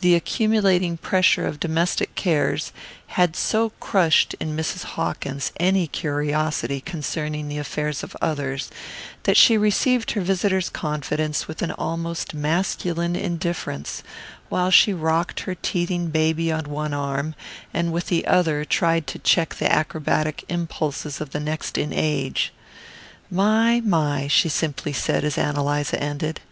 The accumulating pressure of domestic cares had so crushed in Mrs. Hawkins any curiosity concerning the affairs of others that she received her visitor's confidence with an almost masculine indifference, while she rocked her teething baby on one arm and with the other tried to check the acrobatic impulses of the next in age. "My, my," she simply said as Ann Eliza ended.